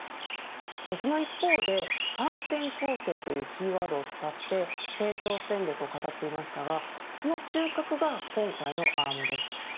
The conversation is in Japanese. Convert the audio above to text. その一方で反転攻勢というキーワードを使って成長戦略を語っていましたがその中核が今回のアームです。